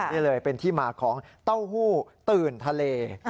นี่เลยเป็นที่มาของเต้าหู้ตื่นทะเล